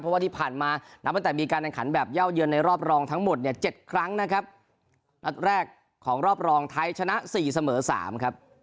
เพราะว่าที่ผ่านมาตั้งแต่มีการแบบเย่ายืนในรอบรองทั้งหมด๗ครั้งแรกของรอบรองไทยชนะ๔เสมอ๓ครับ